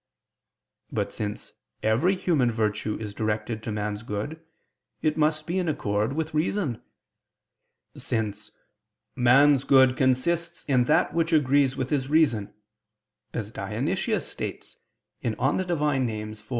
But since every human virtue is directed to man's good, it must be in accord with reason: since man's good "consists in that which agrees with his reason," as Dionysius states (Div. Nom. iv).